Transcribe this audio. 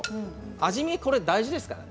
味見、大事ですからね。